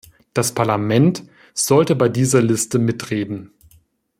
Das Parlament sollte bei dieser Liste mitreden.